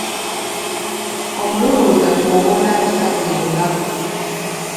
Omululuuza gwoba onaabisa buli lunaku.